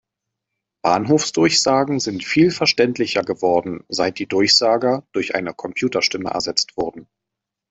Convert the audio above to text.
Bahnhofsdurchsagen sind viel verständlicher geworden, seit die Durchsager durch eine Computerstimme ersetzt wurden.